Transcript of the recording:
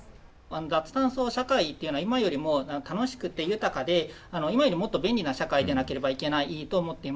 脱炭素社会っていうのは今よりも楽しくて豊かで今よりもっと便利な社会でなければいけないと思っています。